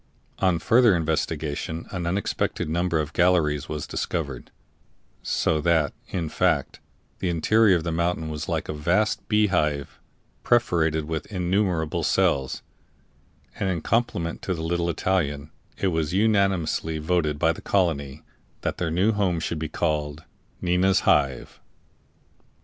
On further investigation an unexpected number of galleries was discovered, so that, in fact, the interior of the mountain was like a vast bee hive perforated with innumerable cells; and in compliment to the little Italian it was unanimously voted by the colony that their new home should be called "Nina's Hive."